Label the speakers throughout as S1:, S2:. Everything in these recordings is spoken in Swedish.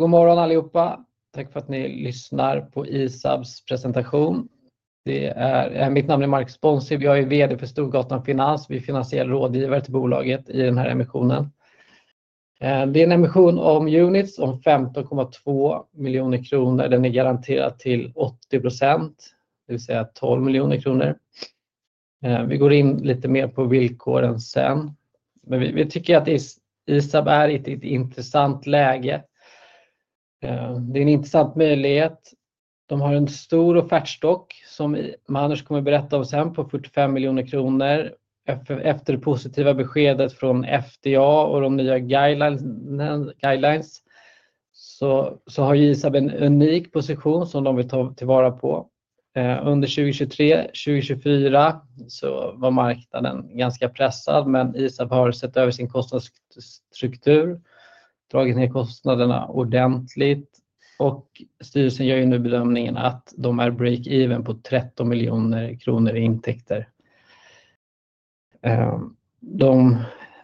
S1: God morgon allihopa. Tack för att ni lyssnar på ISABs presentation. Mitt namn är Marc Sponsib. Jag är VD för Storgatan Finans. Vi är finansiell rådgivare till bolaget i den här emissionen. Det är en emission om Units, om 15,2 miljoner kronor. Den är garanterad till 80%, det vill säga 12 miljoner kronor. Vi går in lite mer på villkoren sen. Men vi tycker att ISAB är i ett intressant läge. Det är en intressant möjlighet. De har en stor offertstock som Magnus kommer att berätta om sen på 45 miljoner kronor. Efter det positiva beskedet från FDA och de nya guidelines så har ISAB en unik position som de vill ta tillvara på. Under 2023-2024 så var marknaden ganska pressad, men ISAB har sett över sin kostnadsstruktur, dragit ner kostnaderna ordentligt och styrelsen gör ju nu bedömningen att de är break-even på 13 miljoner kronor i intäkter.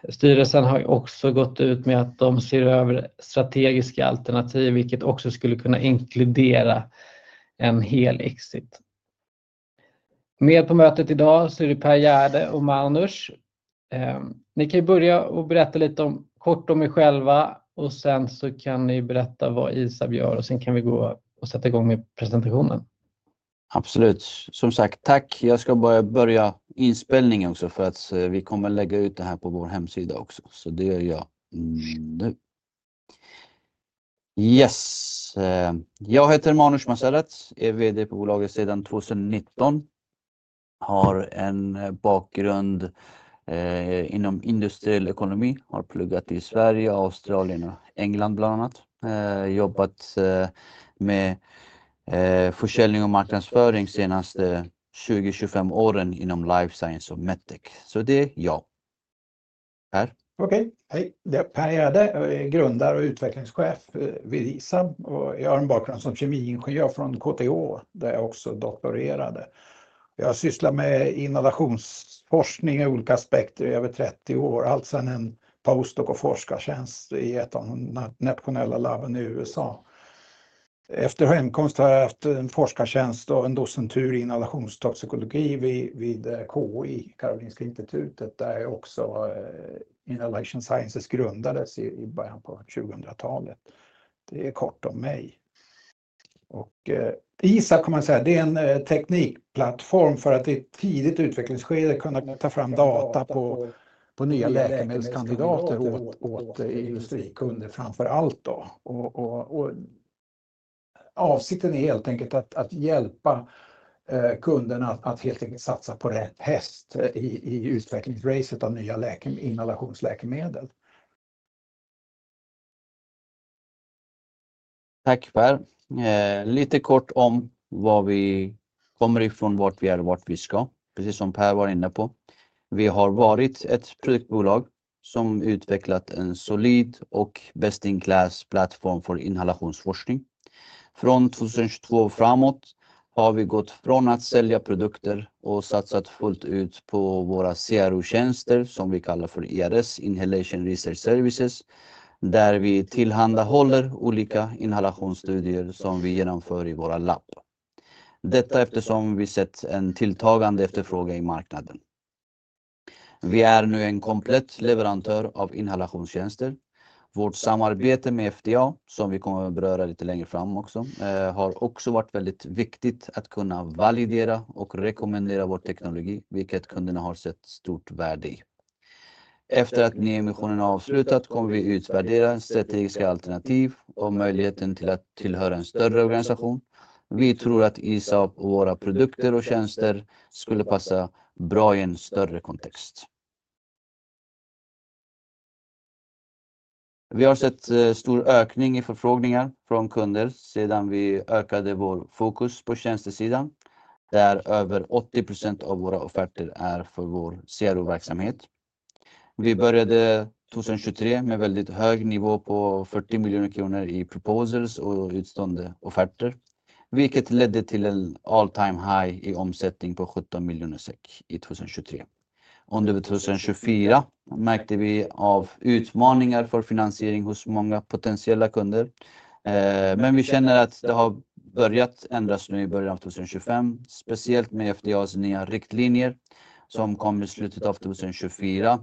S1: Styrelsen har också gått ut med att de ser över strategiska alternativ, vilket också skulle kunna inkludera en hel exit. Med på mötet idag så är det Per Gärde och Magnus. Ni kan ju börja och berätta lite kort om er själva, och sen så kan ni berätta vad ISAB gör, och sen kan vi gå och sätta igång med presentationen.
S2: Absolut. Som sagt, tack. Jag ska bara börja inspelningen också, för att vi kommer att lägga ut det här på vår hemsida också, så det gör jag nu. Yes. Jag heter Magnus Mazeret, är VD på bolaget sedan 2019. Har en bakgrund inom industriell ekonomi. Har pluggat i Sverige, Australien och England bland annat. Jobbat med försäljning och marknadsföring senaste 20-25 åren inom life science och medtech. Så det är jag här.
S3: Okej. Hej. Per Gärde, jag är grundare och utvecklingschef vid ISAB, och jag har en bakgrund som kemiingenjör från KTH, där jag också doktorerade. Jag sysslar med inhalationsforskning i olika aspekter i över 30 år, alltså en postdoc och forskartjänst i ett av de nationella laben i USA. Efter hemkomst har jag haft en forskartjänst och en docentur i inhalationstoxikologi vid KI, Karolinska Institutet, där jag också grundade Inhalation Sciences i början på 2000-talet. Det är kort om mig. ISAB kan man säga det är en teknikplattform för att i ett tidigt utvecklingsskede kunna ta fram data på nya läkemedelskandidater åt industrikunder framför allt. Avsikten är helt enkelt att hjälpa kunderna att satsa på rätt häst i utvecklingsracet av nya inhalationsläkemedel.
S1: Tack, Per. Lite kort om var vi kommer ifrån, vart vi är och vart vi ska. Precis som Per var inne på. Vi har varit ett produktbolag som utvecklat en solid och best-in-class plattform för inhalationsforskning. Från 2022 och framåt har vi gått från att sälja produkter och satsat fullt ut på våra CRO-tjänster som vi kallar för IRS, Inhalation Research Services, där vi tillhandahåller olika inhalationsstudier som vi genomför i våra labb. Detta eftersom vi sett en tilltagande efterfrågan i marknaden. Vi är nu en komplett leverantör av inhalationstjänster. Vårt samarbete med FDA, som vi kommer att beröra lite längre fram också, har också varit väldigt viktigt att kunna validera och rekommendera vår teknologi, vilket kunderna har sett stort värde i. Efter att nyemissionen avslutat kommer vi utvärdera strategiska alternativ och möjligheten till att tillhöra en större organisation. Vi tror att ISAB och våra produkter och tjänster skulle passa bra i en större kontext. Vi har sett stor ökning i förfrågningar från kunder sedan vi ökade vår fokus på tjänstesidan, där över 80% av våra offerter är för vår CRO-verksamhet. Vi började 2023 med väldigt hög nivå på 40 miljoner kronor i proposals och utstående offerter, vilket ledde till en all-time high i omsättning på 17 miljoner SEK i 2023. Under 2024 märkte vi av utmaningar för finansiering hos många potentiella kunder, men vi känner att det har börjat ändras nu i början av 2025, speciellt med FDAs nya riktlinjer som kom i slutet av 2024,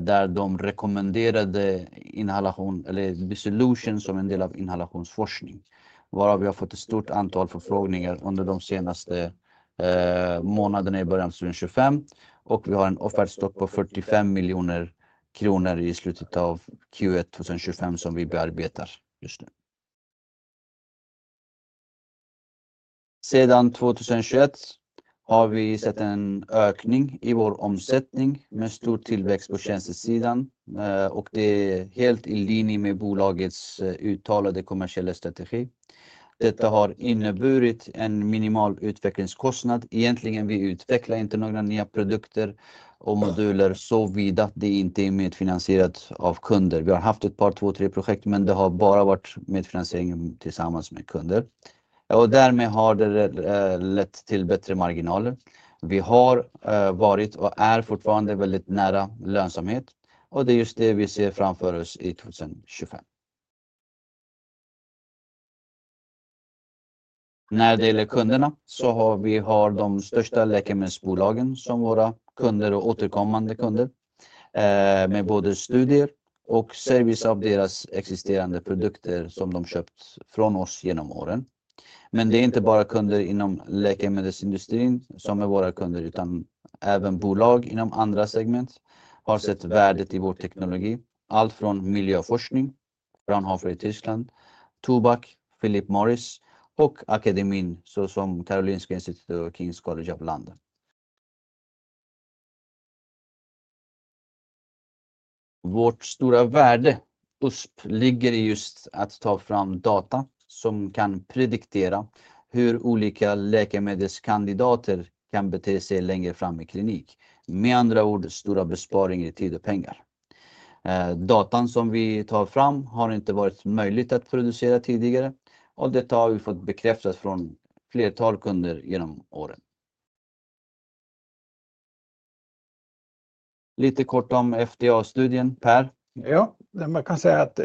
S1: där de rekommenderade inhalation eller dissolution som en del av inhalationsforskning, varav vi har fått ett stort antal förfrågningar under de senaste månaderna i början av 2025, och vi har en offertstock på 45 miljoner kronor i slutet av Q1 2025 som vi bearbetar just nu. Sedan 2021 har vi sett en ökning i vår omsättning med stor tillväxt på tjänstesidan, och det är helt i linje med bolagets uttalade kommersiella strategi. Detta har inneburit en minimal utvecklingskostnad. Egentligen utvecklar vi inte några nya produkter och moduler såvida det inte är medfinansierat av kunder. Vi har haft ett par, två, tre projekt, men det har bara varit medfinansiering tillsammans med kunder, och därmed har det lett till bättre marginaler. Vi har varit och är fortfarande väldigt nära lönsamhet, och det är just det vi ser framför oss 2025. När det gäller kunderna så har vi de största läkemedelsbolagen som våra kunder och återkommande kunder, med både studier och service av deras existerande produkter som de köpt från oss genom åren. Men det är inte bara kunder inom läkemedelsindustrin som är våra kunder, utan även bolag inom andra segment har sett värdet i vår teknologi, allt från miljöforskning från Havfru i Tyskland, Tobac, Philip Morris och akademin såsom Karolinska Institutet och King's College av landet. Vårt stora värde ligger i just att ta fram data som kan prediktera hur olika läkemedelskandidater kan bete sig längre fram i klinik. Med andra ord, stora besparingar i tid och pengar. Datan som vi tar fram har inte varit möjligt att producera tidigare, och detta har vi fått bekräftat från flertalet kunder genom åren. Lite kort om FDA-studien, Per.
S3: Ja, man kan säga att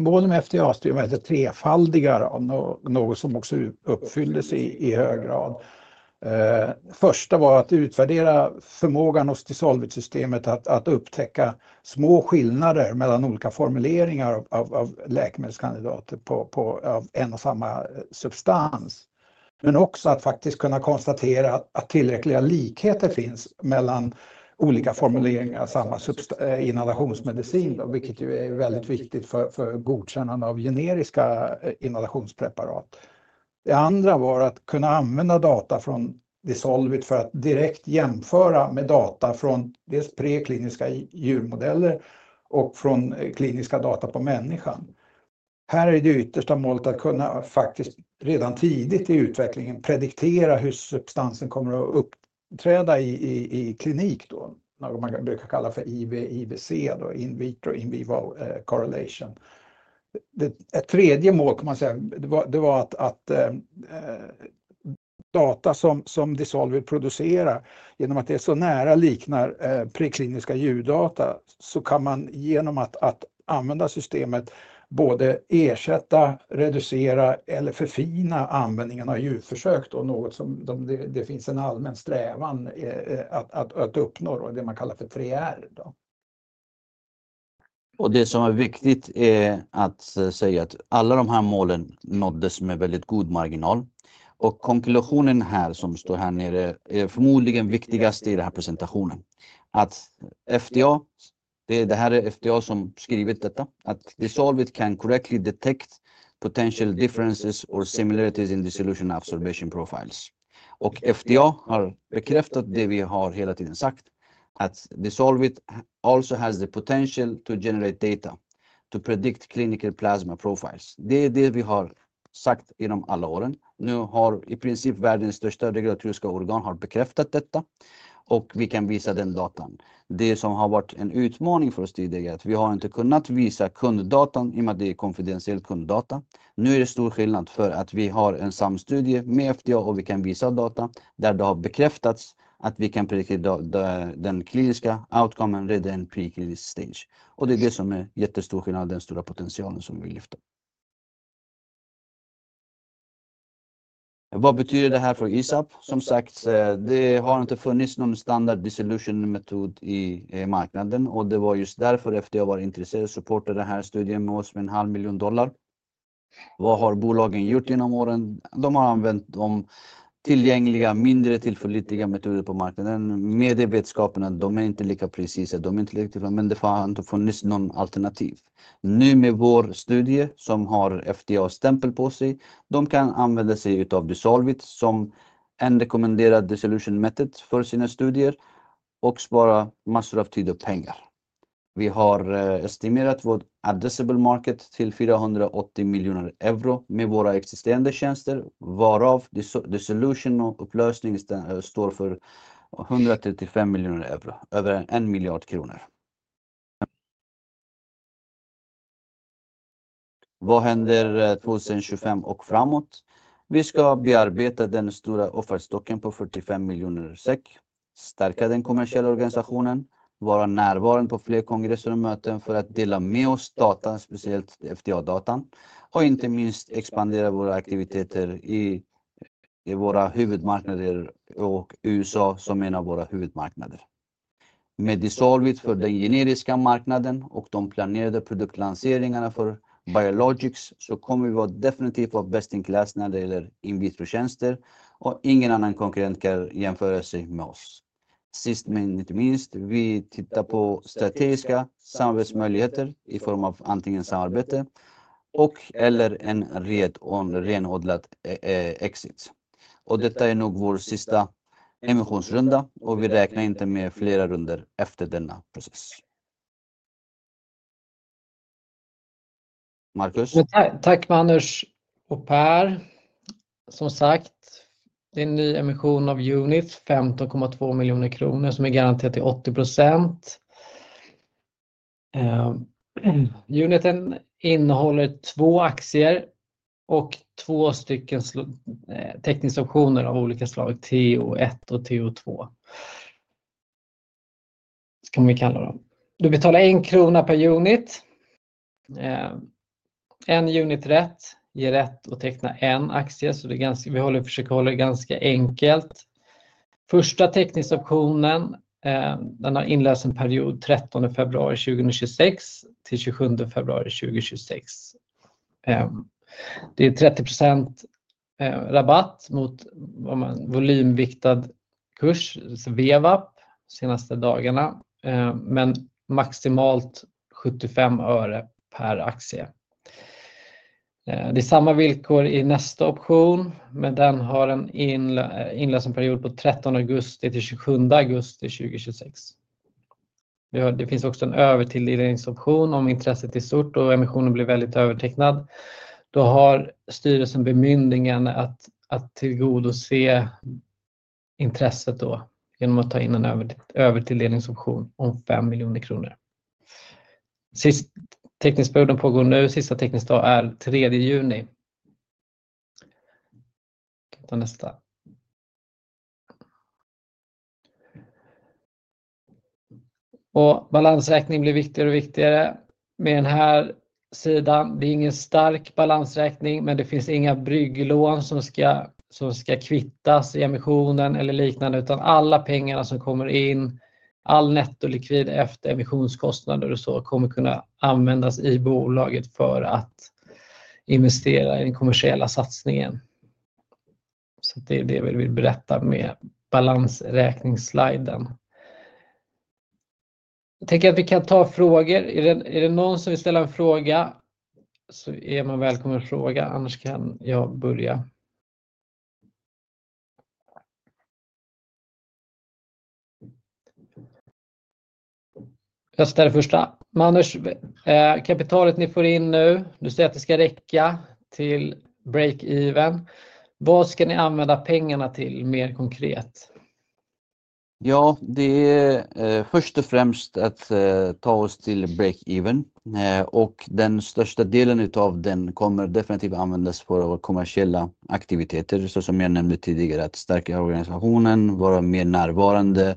S3: målen med FDA-studien var trefaldiga, något som också uppfylldes i hög grad. Första var att utvärdera förmågan hos Dissolvate-systemet att upptäcka små skillnader mellan olika formuleringar av läkemedelskandidater av en och samma substans, men också att faktiskt kunna konstatera att tillräckliga likheter finns mellan olika formuleringar av samma inhalationsmedicin, vilket ju är väldigt viktigt för godkännande av generiska inhalationspreparat. Det andra var att kunna använda data från Dissolvate för att direkt jämföra med data från dels prekliniska djurmodeller och från kliniska data på människan. Här är det yttersta målet att kunna faktiskt redan tidigt i utvecklingen prediktera hur substansen kommer att uppträda i klinik, något man brukar kalla för IVIC, då in vitro in vivo correlation. Ett tredje mål kan man säga, det var att data som Dissolvate producerar, genom att det är så nära liknar prekliniska djurdata, så kan man genom att använda systemet både ersätta, reducera eller förfina användningen av djurförsök, något som det finns en allmän strävan att uppnå, det man kallar för 3R.
S1: Och det som är viktigt är att säga att alla de här målen nåddes med väldigt god marginal. Och konklusionen här som står här nere är förmodligen viktigast i den här presentationen. Att FDA, det här är FDA som skrivit detta, att Dissolvate can correctly detect potential differences or similarities in dissolution absorption profiles. Och FDA har bekräftat det vi har hela tiden sagt, att Dissolvate also has the potential to generate data to predict clinical plasma profiles. Det är det vi har sagt genom alla åren. Nu har i princip världens största regulatoriska organ bekräftat detta, och vi kan visa den datan. Det som har varit en utmaning för oss tidigare är att vi har inte kunnat visa kunddatan, i och med att det är konfidentiell kunddata. Nu är det stor skillnad för att vi har en samstudie med FDA och vi kan visa data, där det har bekräftats att vi kan prediktera den kliniska outcomen redan i en preklinisk stage. Det är det som är jättestor skillnad och den stora potentialen som vi vill lyfta. Vad betyder det här för ISAB? Som sagt, det har inte funnits någon standard dissolution-metod i marknaden, och det var just därför FDA var intresserad att supporta den här studien med oss med en halv miljon dollar. Vad har bolagen gjort genom åren? De har använt de tillgängliga, mindre tillförlitliga metoderna på marknaden. Medvetskapen att de är inte lika precisa och de är inte lika tillförlitliga, men det har inte funnits något alternativ. Nu med vår studie som har FDA-stämpel på sig, de kan använda sig av Dissolvate som en rekommenderad dissolution-metod för sina studier och spara massor av tid och pengar. Vi har estimerat vårt addressable market till €480 miljoner med våra existerande tjänster, varav dissolution och upplösning står för €135 miljoner, över en miljard kronor. Vad händer 2025 och framåt? Vi ska bearbeta den stora offertstocken på 45 miljoner SEK, stärka den kommersiella organisationen, vara närvarande på fler kongresser och möten för att dela med oss data, speciellt FDA-datan, och inte minst expandera våra aktiviteter i våra huvudmarknader och USA som en av våra huvudmarknader. Med Dissolvate för den generiska marknaden och de planerade produktlanseringarna för biologics så kommer vi definitivt vara best-in-class när det gäller in vitro-tjänster, och ingen annan konkurrent kan jämföra sig med oss. Sist men inte minst, vi tittar på strategiska samarbetsmöjligheter i form av antingen samarbete och/eller en renodlad exit. Detta är nog vår sista emissionsrunda, och vi räknar inte med flera rundor efter denna process. Marcus.
S3: Tack, Magnus och Per. Som sagt, det är en nyemission av Unit, 15,2 miljoner kronor som är garanterad till 80%. Uniten innehåller två aktier och två stycken tekniska optioner av olika slag, TO1 och TO2. Så kan vi kalla dem. Du betalar en krona per unit. En unit rätt ger rätt att teckna en aktie, så det är ganska, vi försöker hålla det ganska enkelt. Första tekniska optionen, den har inlösenperiod 13 februari 2026 till 27 februari 2026. Det är 30% rabatt mot volymviktad kurs, VWAP, senaste dagarna, men maximalt 75 öre per aktie. Det är samma villkor i nästa option, men den har en inlösenperiod på 13 augusti till 27 augusti 2026. Det finns också en övertilldelningsoption om intresset är stort och emissionen blir väldigt övertecknad. Då har styrelsen bemyndigande att tillgodose intresset genom att ta in en övertilldelningsoption om 5 miljoner kronor. Teknisk period pågår nu, sista tekniska dag är 3 juni. Vi kan ta nästa. Balansräkningen blir viktigare och viktigare med den här sidan. Det är ingen stark balansräkning, men det finns inga brygglån som ska kvittas i emissionen eller liknande, utan alla pengarna som kommer in, all nettolikvid efter emissionskostnader kommer kunna användas i bolaget för att investera i den kommersiella satsningen. Det är det vi vill berätta med balansräkningsliden. Jag tänker att vi kan ta frågor. Är det någon som vill ställa en fråga så är man välkommen att fråga, annars kan jag börja. Jag ställer första. Magnus, kapitalet ni får in nu, du säger att det ska räcka till break-even. Vad ska ni använda pengarna till mer konkret?
S1: Ja, det är först och främst att ta oss till break-even, och den största delen av den kommer definitivt att användas för våra kommersiella aktiviteter, så som jag nämnde tidigare, att stärka organisationen, vara mer närvarande,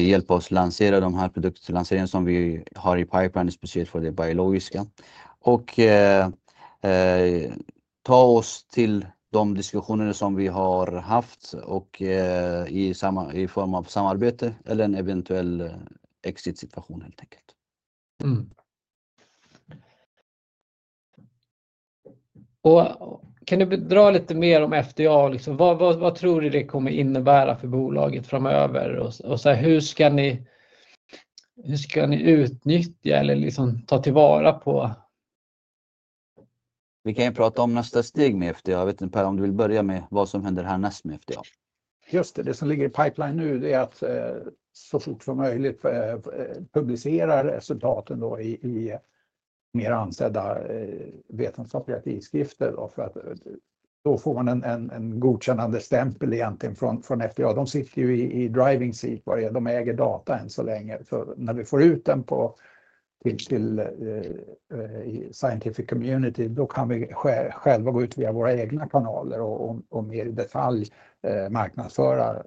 S1: hjälpa oss att lansera de här produktlanseringarna som vi har i pipeline, speciellt för det biologiska, och ta oss till de diskussioner som vi har haft i form av samarbete eller en eventuell exitsituation helt enkelt.
S3: Och kan du dra lite mer om FDA? Vad tror du det kommer innebära för bolaget framöver? Och så här, hur ska ni utnyttja eller liksom ta tillvara på?
S1: Vi kan ju prata om nästa steg med FDA. Jag vet inte om du vill börja med vad som händer härnäst med FDA.
S3: Just det, det som ligger i pipeline nu, det är att så fort som möjligt publicera resultaten då i mer ansedda vetenskapliga tidskrifter, då för att då får man en godkännande stämpel egentligen från FDA. De sitter ju i driving seat, de äger data än så länge, så när vi får ut den till Scientific Community, då kan vi själva gå ut via våra egna kanaler och mer i detalj marknadsföra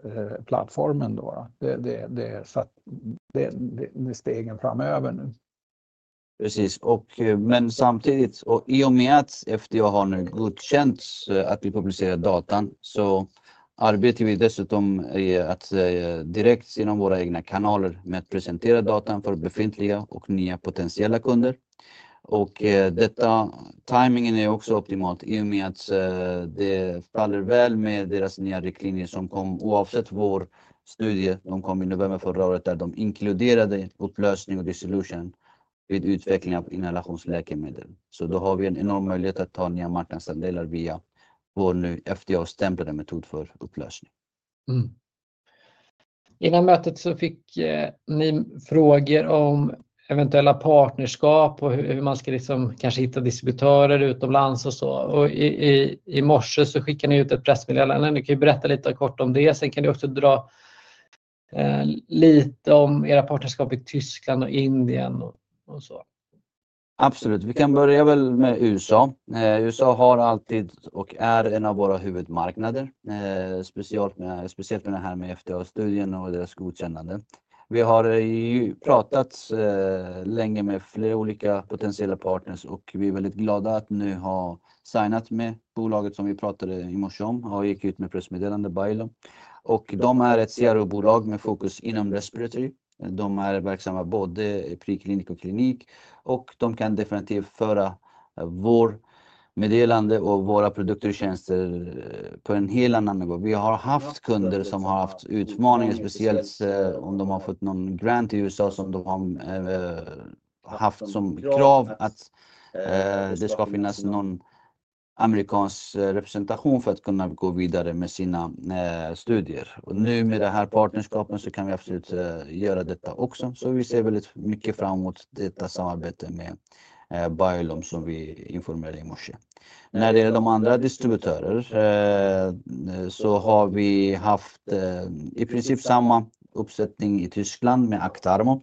S3: plattformen då. Det är så att det är stegen framöver nu.
S1: Precis, och men samtidigt, och i och med att FDA har nu godkänt att vi publicerar datan, så arbetar vi dessutom med att direkt genom våra egna kanaler presentera datan för befintliga och nya potentiella kunder. Denna timing är också optimal i och med att det faller väl med deras nya riktlinjer som kom, oavsett vår studie, de kom i november förra året där de inkluderade upplösning och dissolution vid utveckling av inhalationsläkemedel. Så då har vi en enorm möjlighet att ta nya marknadsandelar via vår nu FDA-stämplade metod för upplösning.
S3: Innan mötet så fick ni frågor om eventuella partnerskap och hur man ska liksom kanske hitta distributörer utomlands och så. Och i morse så skickade ni ut ett pressmeddelande. Ni kan ju berätta lite kort om det. Sen kan ni också dra lite om era partnerskap i Tyskland och Indien och så.
S1: Absolut, vi kan börja väl med USA. USA har alltid och är en av våra huvudmarknader, speciellt med det här med FDA-studien och deras godkännande. Vi har ju pratat länge med flera olika potentiella partners och vi är väldigt glada att nu ha signat med bolaget som vi pratade i morse om och gick ut med pressmeddelande Bailo. De är ett CRO-bolag med fokus inom respiratory. De är verksamma både i preklinik och klinik och de kan definitivt föra vår meddelande och våra produkter och tjänster på en helt annan nivå. Vi har haft kunder som har haft utmaningar, speciellt om de har fått någon grant i USA som de har haft som krav att det ska finnas någon amerikansk representation för att kunna gå vidare med sina studier. Nu med det här partnerskapet så kan vi absolut göra detta också. Vi ser väldigt mycket fram emot detta samarbete med Bailo som vi informerade i morse. När det gäller de andra distributörerna så har vi haft i princip samma uppsättning i Tyskland med Actarmo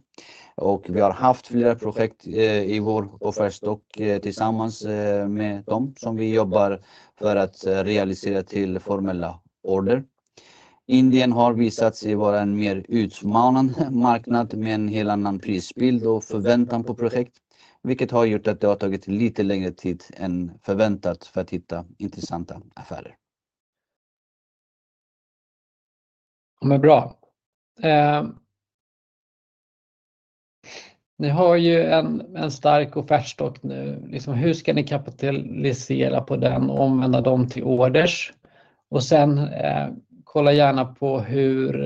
S1: och vi har haft flera projekt i vår offertstock tillsammans med dem som vi jobbar för att realisera till formella order. Indien har visats vara en mer utmanande marknad med en helt annan prisbild och förväntningar på projekt, vilket har gjort att det har tagit lite längre tid än förväntat för att hitta intressanta affärer.
S3: Ja, men bra. Ni har ju en stark offertstock nu. Hur ska ni kapitalisera på den och omvandla dem till orders? Och sen kolla gärna på hur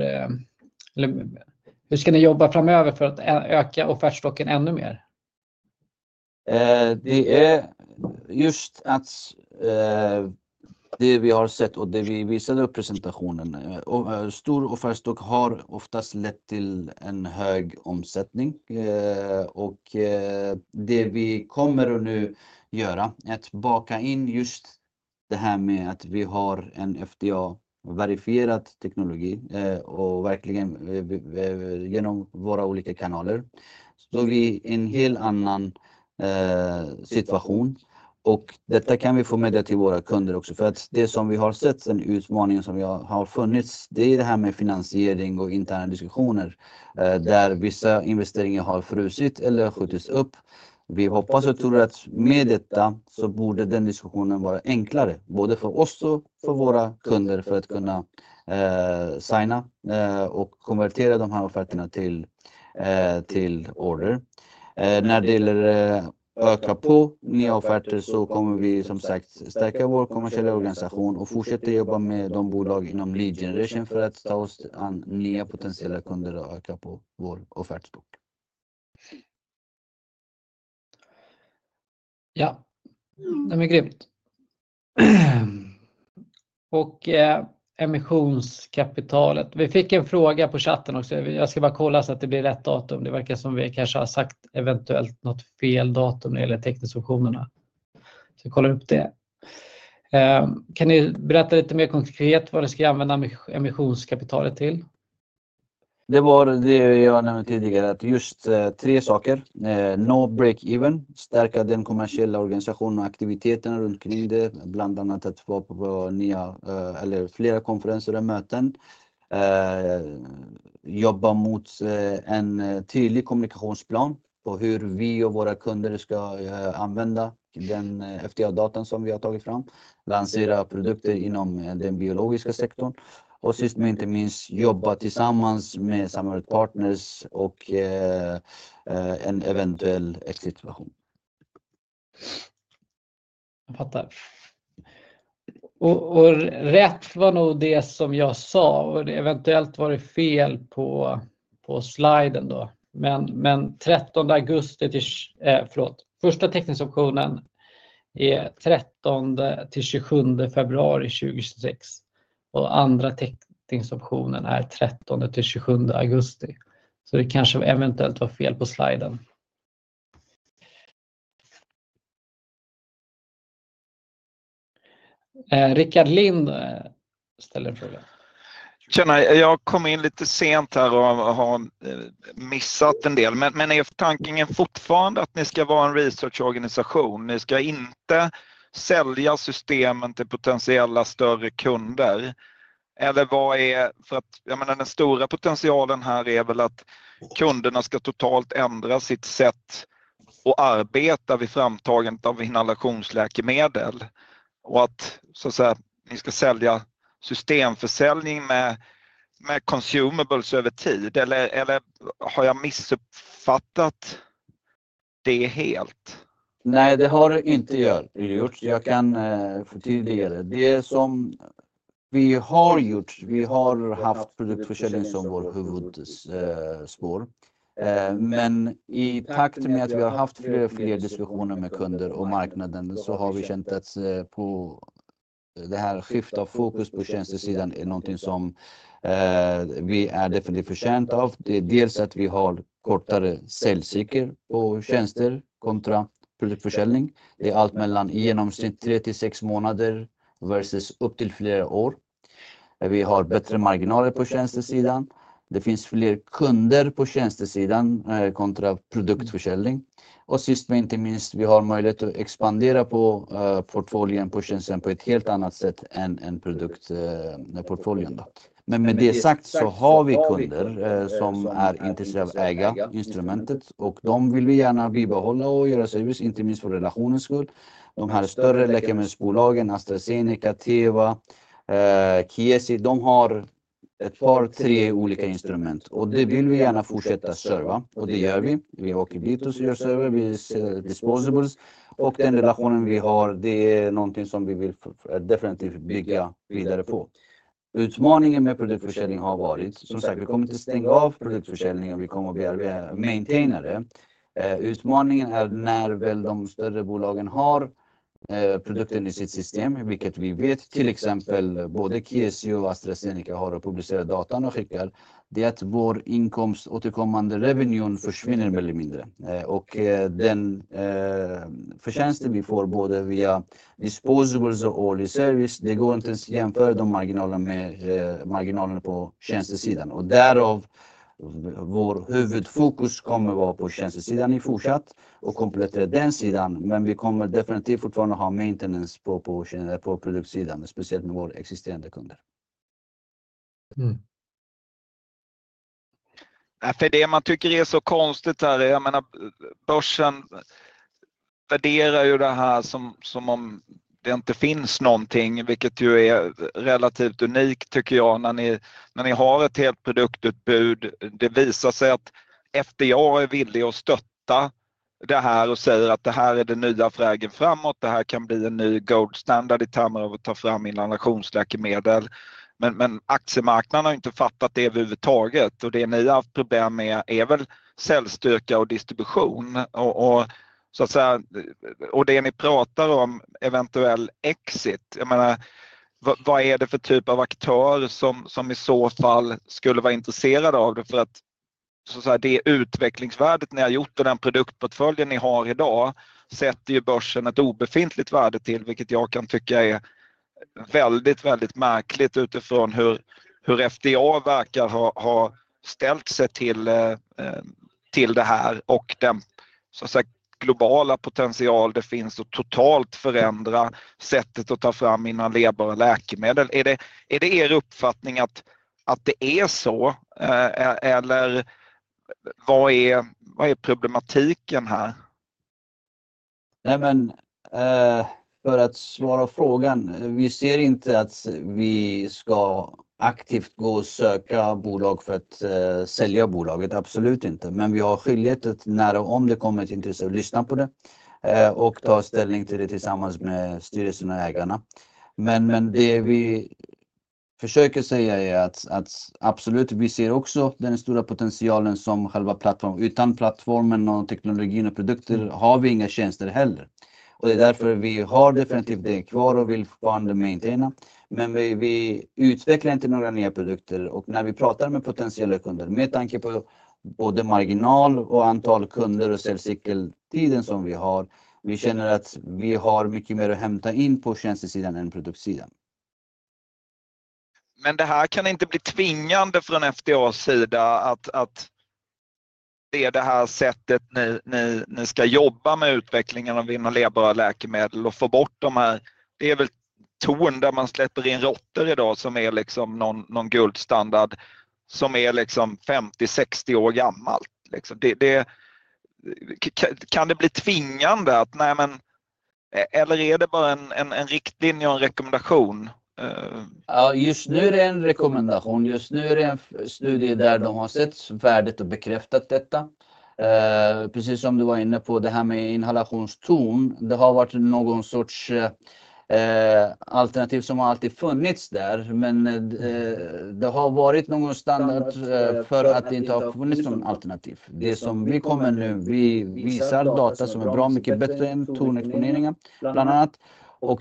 S3: ni ska jobba framöver för att öka offertstocken ännu mer?
S1: Det är just att det vi har sett och det vi visade upp i presentationen, stor offertstock har oftast lett till en hög omsättning. Det vi kommer att nu göra är att baka in just det här med att vi har en FDA-verifierad teknologi och verkligen genom våra olika kanaler. Så vi är i en helt annan situation. Detta kan vi få med det till våra kunder också. För att det som vi har sett, en utmaning som vi har funnits, det är det här med finansiering och interna diskussioner där vissa investeringar har frusit eller skjutits upp. Vi hoppas och tror att med detta så borde den diskussionen vara enklare både för oss och för våra kunder för att kunna signa och konvertera de här offerterna till order. När det gäller att öka på nya offerter så kommer vi som sagt stärka vår kommersiella organisation och fortsätta jobba med de bolag inom lead generation för att ta oss an nya potentiella kunder och öka på vår offertstock.
S3: Ja, det är grymt. Och emissionskapitalet. Vi fick en fråga på chatten också. Jag ska bara kolla så att det blir rätt datum. Det verkar som vi kanske har sagt eventuellt något fel datum när det gäller tekniska optionerna. Så jag kollar upp det. Kan ni berätta lite mer konkret vad ni ska använda emissionskapitalet till?
S1: Det var det jag nämnde tidigare, att just tre saker. Nå break-even, stärka den kommersiella organisationen och aktiviteterna runt kring det, bland annat att vara på nya eller flera konferenser och möten. Jobba mot en tydlig kommunikationsplan på hur vi och våra kunder ska använda den FDA-datan som vi har tagit fram. Lansera produkter inom den biologiska sektorn. Och sist men inte minst, jobba tillsammans med samarbetspartners och en eventuell exitsituation.
S3: Jag fattar. Och rätt var nog det som jag sa. Och eventuellt var det fel på sliden då. Men 13 augusti, förlåt, första tekniska optionen är 13-27 februari 2026. Och andra tekniska optionen är 13-27 augusti. Så det kanske eventuellt var fel på sliden. Rickard Lind ställer en fråga.
S4: Tjena, jag kom in lite sent här och har missat en del. Men är tanken fortfarande att ni ska vara en researchorganisation? Ni ska inte sälja systemen till potentiella större kunder? Eller vad är, för att jag menar den stora potentialen här är väl att kunderna ska totalt ändra sitt sätt att arbeta vid framtagandet av inhalationsläkemedel. Att så att säga ni ska sälja systemförsäljning med consumables över tid. Eller har jag missuppfattat det helt?
S1: Nej, det har du inte gjort. Jag kan förtydliga. Det som vi har gjort, vi har haft produktförsäljning som vårt huvudspår. Men i takt med att vi har haft fler och fler diskussioner med kunder och marknaden så har vi känt att det här skiftet av fokus på tjänstesidan är någonting som vi definitivt är förtjänta av. Det är dels att vi har kortare säljcykel på tjänster kontra produktförsäljning. Det är allt mellan i genomsnitt 3-6 månader versus upp till flera år. Vi har bättre marginaler på tjänstesidan. Det finns fler kunder på tjänstesidan kontra produktförsäljning. Sist men inte minst, vi har möjlighet att expandera portföljen på tjänsten på ett helt annat sätt än produktportföljen. Men med det sagt så har vi kunder som är intresserade av att äga instrumentet. De vill vi gärna bibehålla och göra service, inte minst för relationens skull. De här större läkemedelsbolagen, AstraZeneca, Teva, Kiesio, de har ett par tre olika instrument. Och det vill vi gärna fortsätta serva. Och det gör vi. Vi har krediter som vi gör serva, vi ser disposables. Och den relationen vi har, det är någonting som vi vill definitivt bygga vidare på. Utmaningen med produktförsäljning har varit, som sagt, vi kommer inte stänga av produktförsäljningen, vi kommer att maintain det. Utmaningen är när väl de större bolagen har produkten i sitt system, vilket vi vet, till exempel både Kiesio och AstraZeneca har publicerat datan och skickar, det är att vår inkomst, återkommande revenue, försvinner mer eller mindre. Och den förtjänst vi får både via disposables och early service, det går inte ens att jämföra de marginalerna med marginalerna på tjänstesidan. Och därav, vår huvudfokus kommer att vara på tjänstesidan i fortsatt och komplettera den sidan. Men vi kommer definitivt fortfarande att ha maintenance på produktsidan, speciellt med våra existerande kunder.
S4: För det man tycker är så konstigt här, jag menar, börsen värderar ju det här som om det inte finns någonting, vilket ju är relativt unikt, tycker jag, när ni har ett helt produktutbud. Det visar sig att FDA är villig att stötta det här och säger att det här är det nya sättet framåt, det här kan bli en ny gold standard i termer av att ta fram inhalationsläkemedel. Men aktiemarknaden har ju inte fattat det överhuvudtaget, och det ni har haft problem med är väl säljstyrka och distribution. Och så att säga, och det ni pratar om, eventuell exit, jag menar, vad är det för typ av aktör som i så fall skulle vara intresserad av det? För att så att säga, det utvecklingsvärde ni har gjort och den produktportfölj ni har idag sätter ju börsen ett obefintligt värde till, vilket jag kan tycka är väldigt, väldigt märkligt utifrån hur FDA verkar ha ställt sig till det här och den, så att säga, globala potential det finns att totalt förändra sättet att ta fram inhalerbara läkemedel. Är det uppfattningen att det är så, eller vad är problematiken här?
S1: Nej, men för att svara på frågan, vi ser inte att vi ska aktivt gå och söka bolag för att sälja bolaget, absolut inte. Men vi har skyldighet att när och om det kommer ett intresse att lyssna på det och ta ställning till det tillsammans med styrelsen och ägarna. Men det vi försöker säga är att absolut, vi ser också den stora potentialen som själva plattformen. Utan plattformen och teknologin och produkter har vi inga tjänster heller. Och det är därför vi har definitivt det kvar och vill fortfarande maintaina. Men vi utvecklar inte några nya produkter. Och när vi pratar med potentiella kunder, med tanke på både marginal och antal kunder och säljcykeltiden som vi har, vi känner att vi har mycket mer att hämta in på tjänstesidan än produktsidan.
S4: Men det här kan inte bli tvingande från FDAs sida att det är det här sättet ni ska jobba med utvecklingen av inhalerbara läkemedel och få bort de här, det är väl ton där man släpper in råttor idag som är någon guldstandard som är 50-60 år gammalt. Det kan det bli tvingande att nej, men eller är det bara en riktlinje och en rekommendation?
S1: Ja, just nu är det en rekommendation. Just nu är det en studie där de har sett värdet och bekräftat detta. Precis som du var inne på, det här med inhalationston, det har varit någon sorts alternativ som har alltid funnits där, men det har varit någon standard för att det inte har funnits någon alternativ. Det som vi kommer nu, vi visar data som är bra, mycket bättre än tonexponeringen, bland annat.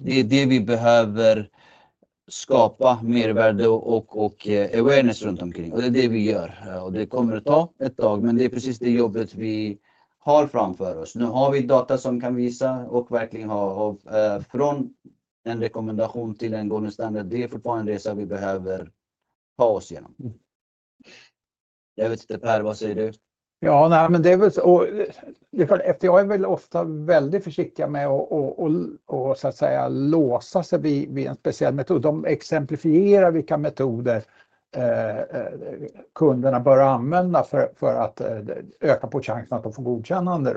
S1: Det är det vi behöver skapa mervärde och awareness runt omkring. Det är det vi gör. Det kommer att ta ett tag, men det är precis det jobbet vi har framför oss. Nu har vi data som kan visa och verkligen ha från en rekommendation till en golden standard. Det är fortfarande en resa vi behöver ta oss igenom. Jag vet inte, Per, vad säger du?
S4: Ja, nej, men det är väl så. FDA är väl ofta väldigt försiktiga med att så att säga låsa sig vid en speciell metod. De exemplifierar vilka metoder kunderna bör använda för att öka på chansen att de får godkännande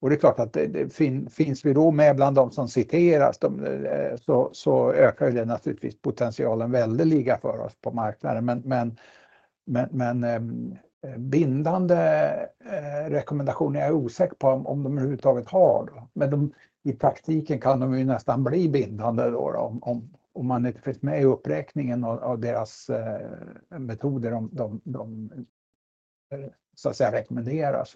S4: då. Det är klart att det finns vi då med bland de som citeras, det så ökar ju det naturligtvis potentialen väldigt för oss på marknaden. Men bindande rekommendationer är jag osäker på om de överhuvudtaget har då. Men i praktiken kan de ju nästan bli bindande då om man inte finns med i uppräkningen av deras metoder om de så att säga rekommenderas.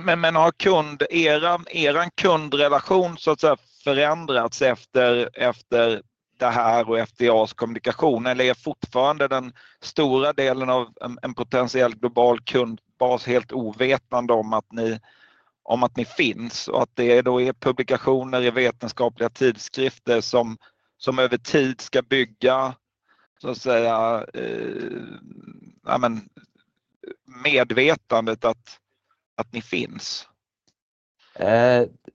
S4: Men har kundrelationen så att säga förändrats efter det här och FDAs kommunikation? Eller är fortfarande den stora delen av en potentiell global kundbas helt ovetande om att ni finns? Och att det då är publikationer i vetenskapliga tidskrifter som över tid ska bygga medvetandet att ni finns?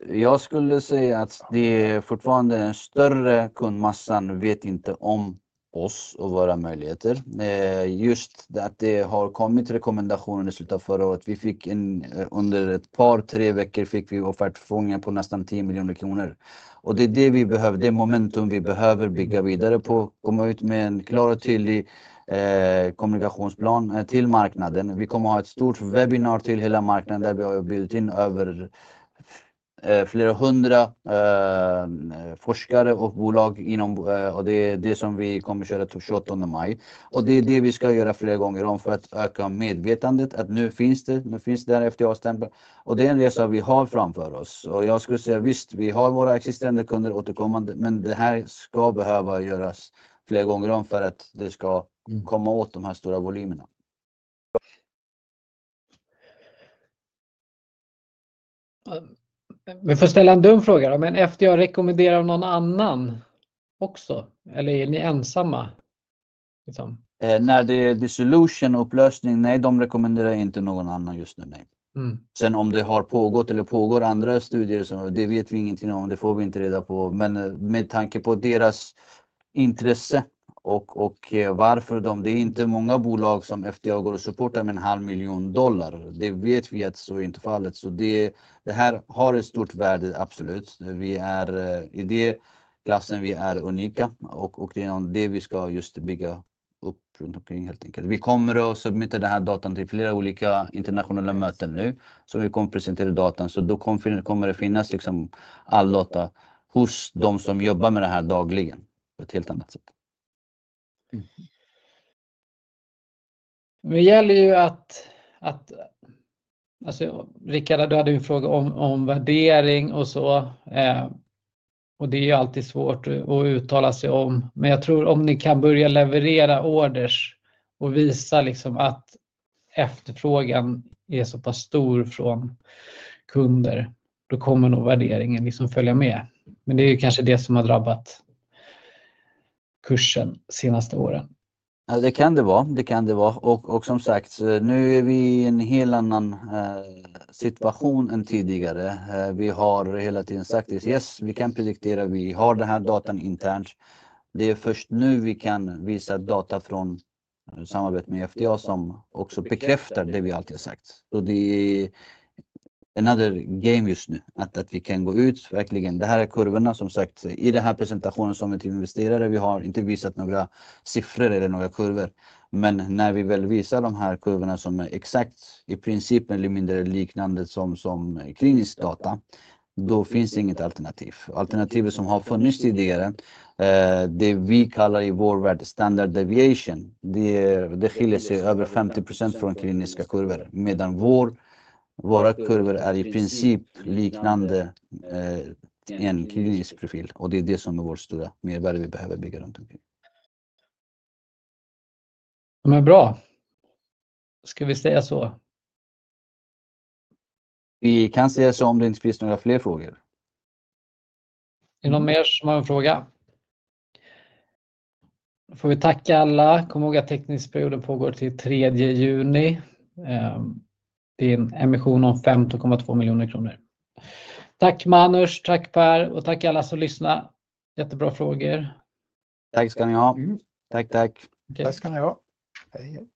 S1: Jag skulle säga att det är fortfarande den större kundmassan vet inte om oss och våra möjligheter. Just att det har kommit rekommendationer i slutet av förra året. Vi fick en under ett par tre veckor fick vi offertförfrågningar på nästan 10 miljoner kronor. Och det är det vi behöver, det är momentum vi behöver bygga vidare på. Komma ut med en klar och tydlig kommunikationsplan till marknaden. Vi kommer att ha ett stort webinar till hela marknaden där vi har ju byggt in över flera hundra forskare och bolag inom och det är det som vi kommer att köra till 28 maj. Och det är det vi ska göra flera gånger om för att öka medvetandet att nu finns det, nu finns det där FDA-stämpel. Och det är en resa vi har framför oss. Och jag skulle säga visst, vi har våra existerande kunder återkommande, men det här ska behöva göras flera gånger om för att det ska komma åt de här stora volymerna.
S3: Vi får ställa en dum fråga då, men FDA rekommenderar någon annan också? Eller är ni ensamma?
S1: Nej, det är dissolution, upplösning, nej, de rekommenderar inte någon annan just nu, nej. Sen om det har pågått eller pågår andra studier, det vet vi ingenting om, det får vi inte reda på. Men med tanke på deras intresse och varför de, det är inte många bolag som FDA går och supportar med $500,000. Det vet vi att så är inte fallet. Så det här har ett stort värde, absolut. Vi är i den klassen, vi är unika och det är det vi ska just bygga upp runt omkring helt enkelt. Vi kommer att submitta den här datan till flera olika internationella möten nu, så vi kommer att presentera datan. Då kommer det finnas all data hos de som jobbar med det här dagligen på ett helt annat sätt.
S3: Det gäller ju att, alltså Rickard, du hade ju en fråga om värdering och så, och det är ju alltid svårt att uttala sig om. Men jag tror om ni kan börja leverera orders och visa att efterfrågan är så pass stor från kunder, då kommer nog värderingen följa med. Men det är ju kanske det som har drabbat kursen senaste åren.
S1: Ja, det kan det vara, det kan det vara. Och som sagt, nu är vi i en helt annan situation än tidigare. Vi har hela tiden sagt att yes, vi kan prediktera, vi har den här datan internt. Det är först nu vi kan visa data från samarbete med FDA som också bekräftar det vi alltid har sagt. Så det är en annan game just nu, att vi kan gå ut verkligen. Det här är kurvorna som sagt, i den här presentationen som en till investerare vi har inte visat några siffror eller några kurvor. Men när vi väl visar de här kurvorna som är exakt, i princip eller mindre liknande som klinisk data, då finns det inget alternativ. Alternativet som har funnits tidigare, det vi kallar i vår värld standard deviation, det skiljer sig över 50% från kliniska kurvor. Medan våra kurvor är i princip liknande en klinisk profil. Och det är det som är vårt stora mervärde vi behöver bygga runt omkring.
S3: Ja, men bra. Ska vi säga så?
S1: Vi kan säga så om det inte finns några fler frågor.
S3: Är det någon mer som har en fråga? Då får vi tacka alla. Kom ihåg att teknisk period pågår till 3 juni. Det är en emission om 15,2 miljoner kronor. Tack Manus, tack Per och tack alla som lyssnat. Jättebra frågor.
S1: Tack ska ni ha. Tack, tack.
S4: Tack ska ni ha. Hej.